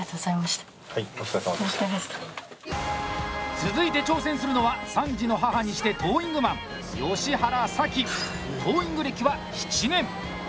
続いて挑戦するのは３児の母にしてトーイングマン吉原沙喜、トーイング歴は７年。